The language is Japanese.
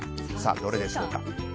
どれでしょうか。